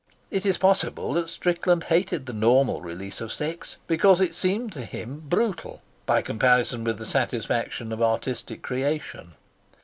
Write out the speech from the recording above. It is possible that Strickland hated the normal release of sex because it seemed to him brutal by comparison with the satisfaction of artistic creation.